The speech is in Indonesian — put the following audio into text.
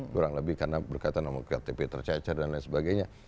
kurang lebih karena berkaitan dengan ktp tercecer dan lain sebagainya